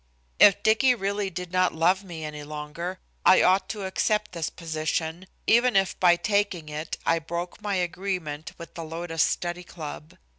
If Dicky really did not love me any longer, I ought to accept this position, even if by taking it I broke my agreement with the Lotus Study Club.